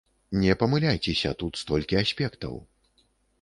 Не памыляйцеся, тут столькі аспектаў.